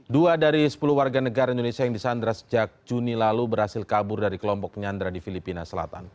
dua dari sepuluh warga negara indonesia yang disandra sejak juni lalu berhasil kabur dari kelompok penyandra di filipina selatan